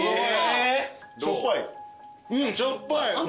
しょっぱい？